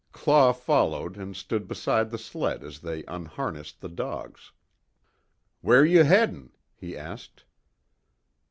Claw followed and stood beside the sled as they unharnessed the dogs: "Where you headin'?" he asked.